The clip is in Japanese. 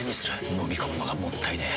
のみ込むのがもったいねえ。